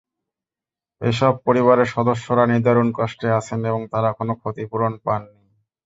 এসব পরিবারের সদস্যরা নিদারুণ কষ্টে আছেন এবং তাঁরা কোনো ক্ষতিপূরণ পাননি।